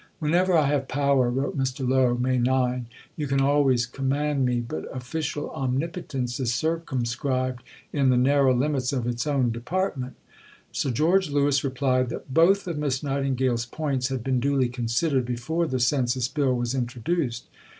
"Whenever I have power," wrote Mr. Lowe (May 9), "you can always command me, but official omnipotence is circumscribed in the narrow limits of its own department." Sir George Lewis replied that "both of Miss Nightingale's points had been duly considered before the Census Bill was introduced.